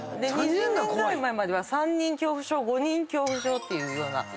２０年ぐらい前までは３人恐怖症５人恐怖症って。